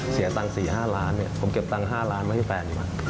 เสียตังค์๔๕ล้านผมเก็บตังค์๕ล้านมาให้แฟนดีกว่า